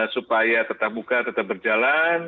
supaya tetap buka tetap berjalan